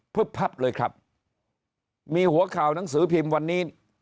พับเลยครับมีหัวข่าวหนังสือพิมพ์วันนี้